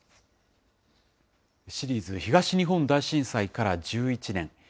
シリーズ東日本大震災から１１年。